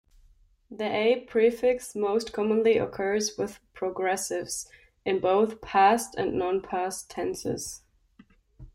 The a-prefix most commonly occurs with progressives, in both past and non-past tenses.